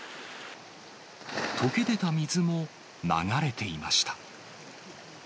とけ出た水も流れていました。